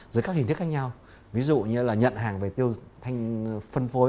dưới các hình thức khác nhau ví dụ như là nhận hàng về tiêu thanh phân phối